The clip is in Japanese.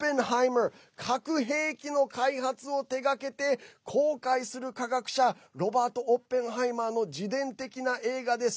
核兵器の開発を手がけて公開する科学者ロバート・オッペンハイマーの自伝的な映画です。